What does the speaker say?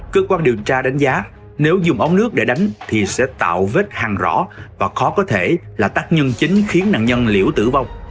cơ quan điều tra đánh giá nếu dùng ống nước để đánh thì sẽ tạo vết hàng rõ và khó có thể là tác nhân chính khiến nạn nhân liễu tử vong